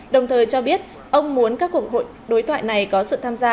đồng thời cho biết ông muốn các cuộc đối thoại này có sự tham gia